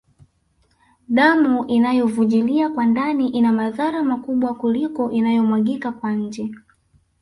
Damu inayovujilia kwa ndani ina madhara makubwa kuliko inayomwagika kwa nje